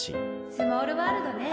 スモールワールドね。